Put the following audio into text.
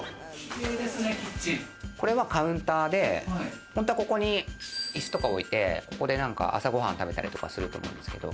これはカウンターで、本当はここに椅子とかおいてここで朝ご飯食べたりすると思うんですけど。